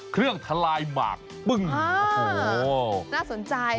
เครื่องทลายหมากปึ้งโอ้โหน่าสนใจค่ะ